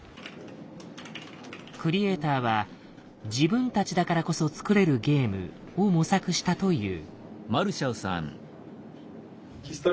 クリエイターは「自分たちだからこそつくれるゲーム」を模索したという。